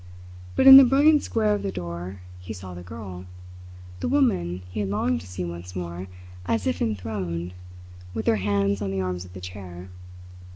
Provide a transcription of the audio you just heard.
But in the brilliant square of the door he saw the girl the woman he had longed to see once more as if enthroned, with her hands on the arms of the chair.